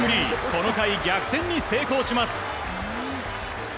この回、逆転に成功します。